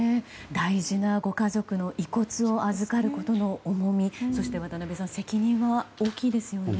大事なご家族の遺骨を預かることの重みそして渡辺さん責任は大きいですよね。